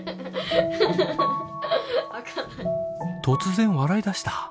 突然笑いだした。